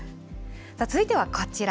続いてはこちら。